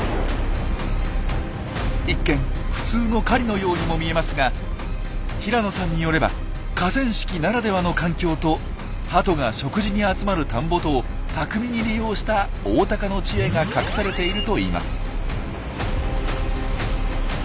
一見普通の狩りのようにも見えますが平野さんによれば河川敷ならではの環境とハトが食事に集まる田んぼとを巧みに利用したオオタカの知恵が隠されているといいます。